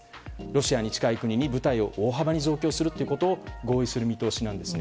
ロシアに近い国に部隊を大幅に増強することを合意する見通しなんです。